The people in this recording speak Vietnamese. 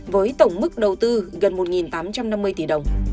với tổng mức đầu tư gần một tám trăm năm mươi tỷ đồng